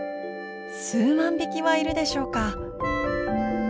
数万匹はいるでしょうか！